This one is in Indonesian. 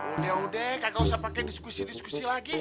udah udah kagak usah pake diskusi diskusi lagi